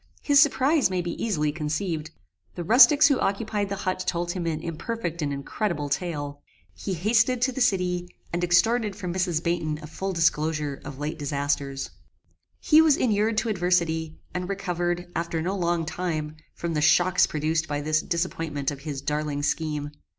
His surprize may be easily conceived. The rustics who occupied the hut told him an imperfect and incredible tale. He hasted to the city, and extorted from Mrs. Baynton a full disclosure of late disasters. He was inured to adversity, and recovered, after no long time, from the shocks produced by this disappointment of his darling scheme.